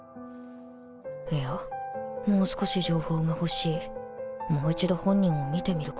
いやもう少し情報が欲しいもう一度本人を見てみるか